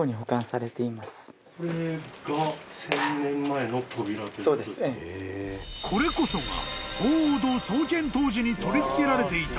［これこそが鳳凰堂創建当時に取りつけられていた］